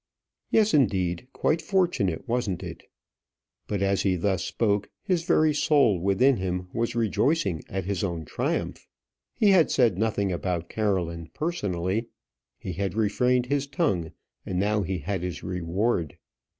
"Yes, indeed, quite fortunate; wasn't it?" But as he thus spoke, his very soul within him was rejoicing at his own triumph. He had said nothing about Caroline personally; he had refrained his tongue, and now he had his reward.